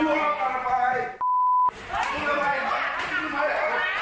เอามา